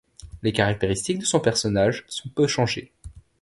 Les caractéristiques de son personnage sont peu changées.